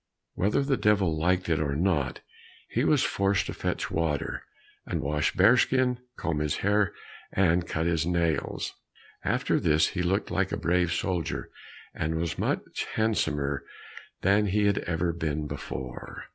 Whether the Devil liked it or not, he was forced to fetch water, and wash Bearskin, comb his hair, and cut his nails. After this, he looked like a brave soldier, and was much handsomer than he had ever been before.